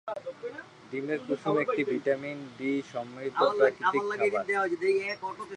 ডিমের কুসুম একটি ভিটামিন ডি সমৃদ্ধ প্রাকৃতিক খাবার।